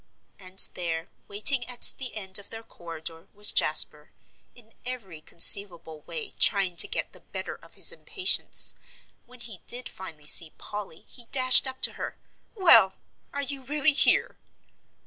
And there, waiting at the end of their corridor, was Jasper, in every conceivable way trying to get the better of his impatience. When he did finally see Polly, he dashed up to her. "Well, are you really here?"